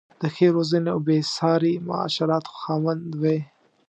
د ښې روزنې او بې ساري معاشرت خاوند وې.